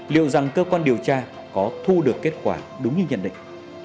liệu rằng cơ quan điều tra có thu được kết quả đúng như nhận định